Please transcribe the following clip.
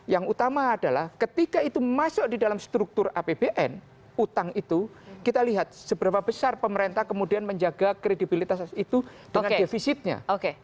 yang utama adalah ketika itu masuk di dalam struktur apbn utang itu kita lihat seberapa besar pemerintah kemudian menjaga kredibilitas itu dengan defisitnya